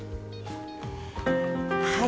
はい。